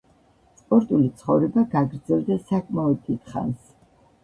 სპორტული ცხოვრება გაგრძელდა საკმაოდ დიდხანს.